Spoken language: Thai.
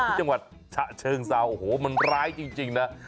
ที่จังหวัดฉะเชิงเซาโอ้โหมันร้ายจริงนะ